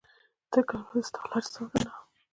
تر کله به زه ستا لارې څارنه.